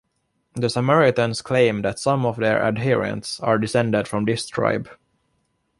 The Samaritans claim that some of their adherents are descended from this tribe.